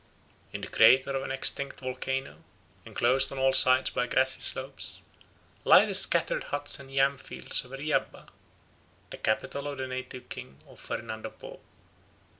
In the crater of an extinct volcano, enclosed on all sides by grassy slopes, lie the scattered huts and yam fields of Riabba, the capital of the native king of Fernando Po.